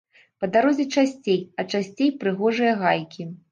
Па дарозе часцей а часцей прыгожыя гайкі.